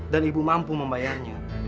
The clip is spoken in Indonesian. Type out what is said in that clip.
dan ibu mampu membayarnya